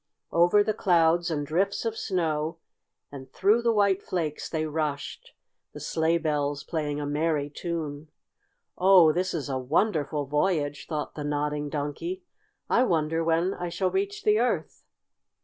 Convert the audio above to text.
Over the clouds and drifts of snow, and through the white flakes they rushed, the sleigh bells playing a merry tune. "Oh, this is a wonderful voyage!" thought the Nodding Donkey. "I wonder when I shall reach the Earth?"